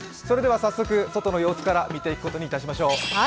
それでは早速、外の様子から見ていくことにしましょう。